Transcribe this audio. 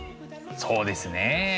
そうですね。